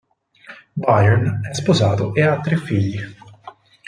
Byrne è sposato e ha tre figli.